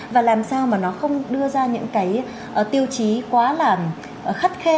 và làm sao mà nó không đưa ra những cái tiêu chí quá là khắt khe